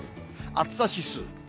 暑さ指数。